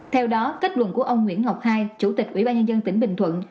theo đó kết luận của ông nguyễn ngọc hai chủ tịch ubnd tỉnh bình thuận